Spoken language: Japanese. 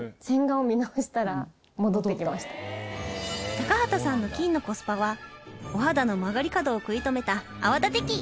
高畑さんの金のコスパはお肌の曲がり角を食い止めた泡立て器